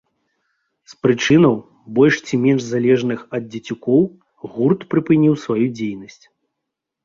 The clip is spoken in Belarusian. З прычынаў, больш ці менш залежных ад дзецюкоў, гурт прыпыніў сваю дзейнасць.